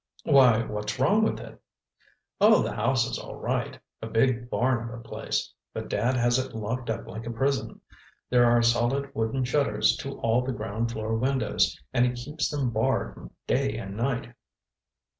"Why, what's wrong with it?" "Oh, the house is all right—a big barn of a place. But Dad has it locked up like a prison. There are solid wooden shutters to all the ground floor windows, and he keeps them barred day and night.